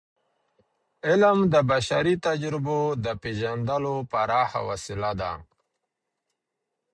علم د بشري تجربو د پیژندلو پراخه وسیله ده.